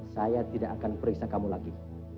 saya tidak akan periksa kamu lagi